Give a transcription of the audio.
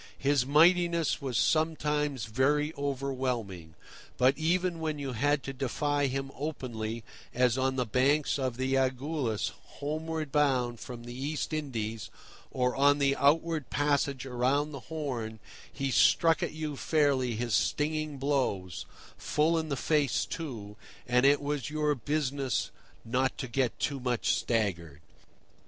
His mightiness was sometimes very overwhelming; but even when you had to defy him openly, as on the banks of the Agulhas homeward bound from the East Indies, or on the outward passage round the Horn, he struck at you fairly his stinging blows (full in the face, too), and it was your business not to get too much staggered.